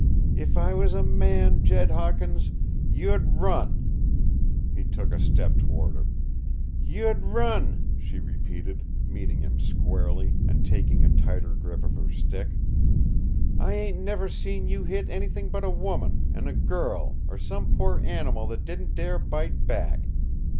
"If I was a man, Jed Hawkins you'd run!" He took a step toward her. "You'd run," she repeated, meeting him squarely, and taking a tighter grip of her stick. "I ain't ever seen you hit anything but a woman, an' a girl, or some poor animal that didn't dare bite back.